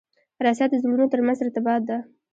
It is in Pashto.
رسۍ د زړونو ترمنځ ارتباط ده.